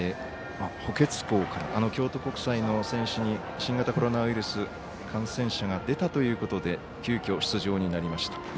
補欠校から京都国際に新型コロナウイルス感染者が出たということで急きょ出場になりました。